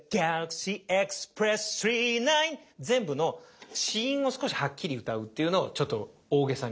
全部の子音を少しはっきり歌うっていうのをちょっと大げさに。